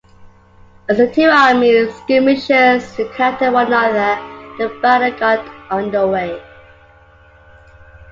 As the two armies skirmishers encountered one another the battle got under way.